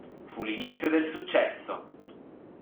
Fu l'inizio del successo.